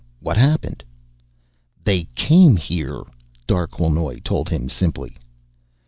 What happened?" "They came here," Darquelnoy told him simply.